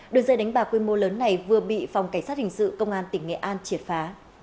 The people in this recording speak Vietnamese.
đường dây đánh bạc quy mô lớn này vừa bị phòng cảnh sát hình sự công an tỉnh nghệ an triệt phá